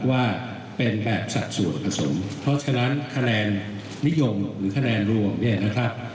ว่าเป็นแบบสัดส่วนผสมเพราะฉะนั้นคะแนนนิยมหรือคะแนนรวมเนี่ยนะครับ